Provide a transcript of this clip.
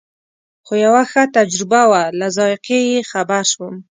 خو یوه ښه تجربه وه له ذایقې یې خبر شوم.